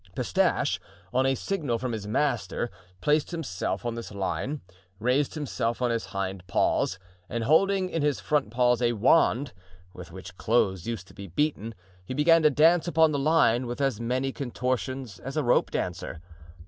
Pistache, on a signal from his master, placed himself on this line, raised himself on his hind paws, and holding in his front paws a wand with which clothes used to be beaten, he began to dance upon the line with as many contortions as a rope dancer.